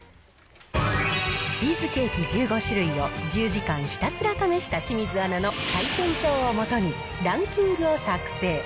チーズケーキ１５種類を１０時間ひたすら試した清水アナの採点表をもとに、ランキングを作成。